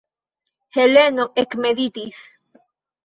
Heleno ekmeditis.